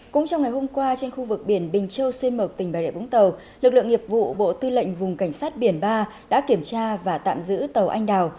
cũng trong ngày hôm qua trên khu vực biển bình châu xuyên mộc tỉnh bà rịa vũng tàu lực lượng nghiệp vụ bộ tư lệnh vùng cảnh sát biển ba đã kiểm tra và tạm giữ tàu anh đào